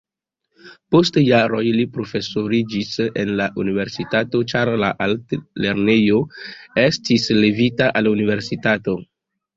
Post jaroj li profesoriĝis en la universitato, ĉar la altlernejo estis levita al universitato.